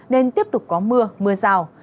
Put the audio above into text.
nên tiếp tục có mưa mưa rào